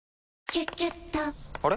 「キュキュット」から！